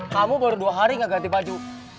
kamu baru dua hari gak ganti baju